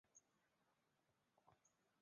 多尔多尼河畔阿莱。